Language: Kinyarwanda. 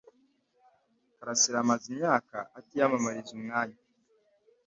Karasira amaze imyaka atiyamamariza umwanya